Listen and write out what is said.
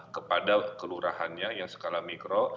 kepada kelurahannya yang skala mikro